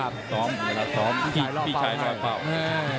พี่ชายรอเปล่า